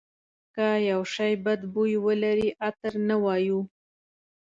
که یو شی بد بوی ولري عطر نه وایو.